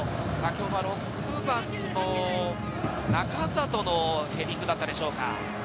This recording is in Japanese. ６番の仲里のヘディングだったでしょうか。